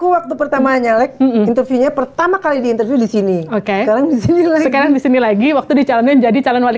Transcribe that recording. waktunya pertama kali di sini oke sekarang di sini lagi waktu di calon jadi calon wali